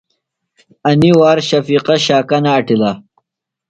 انیۡ وار شفیقہ شاکہ نہ اٹِلہ۔